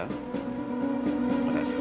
terima kasih kang